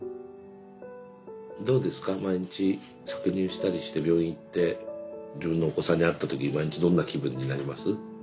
どうですか毎日搾乳したりして病院行って自分のお子さんに会った時毎日どんな気分になります？